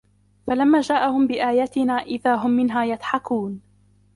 فَلَمّا جاءَهُم بِآياتِنا إِذا هُم مِنها يَضحَكونَ